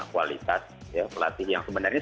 kualitas pelatih yang sebenarnya